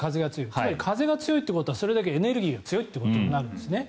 つまり風が強いということはそれだけエネルギーが強いということになるんですね。